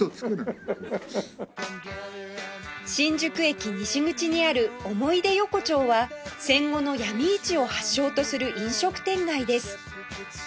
新宿駅西口にある思い出横丁は戦後の闇市を発祥とする飲食店街です